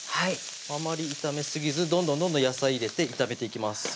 あまり炒めすぎずどんどんどんどん野菜入れて炒めていきます